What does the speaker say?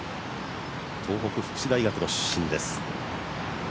東北福祉大学の出身です。